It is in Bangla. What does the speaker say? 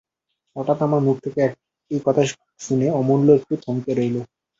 হঠাৎ আমার মুখ থেকে এই কথা শুনে অমূল্য একটু থমকে রইল।